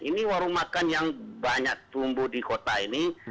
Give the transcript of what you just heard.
ini warung makan yang banyak tumbuh di kota ini